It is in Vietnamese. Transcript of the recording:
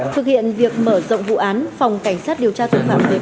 thực hiện việc mở rộng vụ án phòng cảnh sát điều tra tội phạm về ma túy